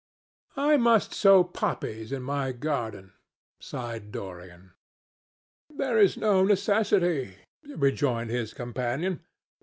"I must sow poppies in my garden," sighed Dorian. "There is no necessity," rejoined his companion.